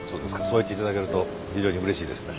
そう言っていただけると非常にうれしいですね。